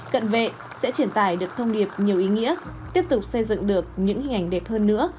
cận vệ sẽ truyền tải được thông điệp nhiều ý nghĩa tiếp tục xây dựng được những hình ảnh đẹp hơn nữa